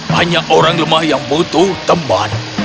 hanya orang lemah yang butuh teman